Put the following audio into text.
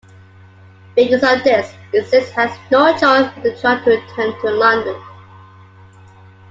Because of this, Essex had no choice but to try to return to London.